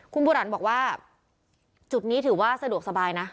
คุณบุรันบอกว่าจุดนี้ถือว่าสะดวกสบายนะ